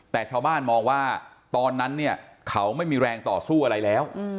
แต่ชาวบ้านมองว่าตอนนั้นเนี่ยเขาไม่มีแรงต่อสู้อะไรแล้ว